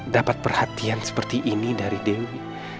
dapat perhatian seperti ini dari dewi